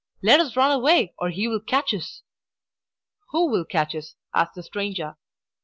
"Let us run away, or he will catch us!" "Who will catch us?" asked the stranger.